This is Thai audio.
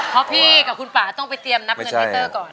เพราะพี่กับคุณป่าต้องไปเตรียมนับเงินมิเตอร์ก่อน